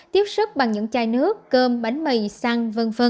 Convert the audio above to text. tiếp sức bằng những chai nước cơm bánh mì xăng